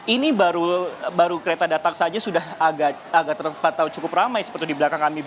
ini baru kereta datang saja sudah agak terpantau cukup ramai seperti di belakang kami